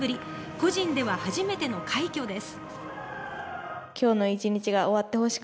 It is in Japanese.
個人では初めての快挙です。